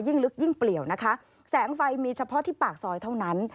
ยิ่งลึกยิ่งเปลี่ยวนะคะ